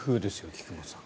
菊間さん。